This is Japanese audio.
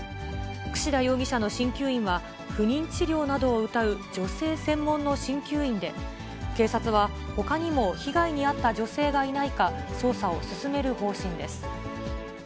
櫛田容疑者のしんきゅう院は、不妊治療などをうたう女性専門のしんきゅう院で、警察は、ほかにも被害に遭った女性がいないか捜査を進める方針です。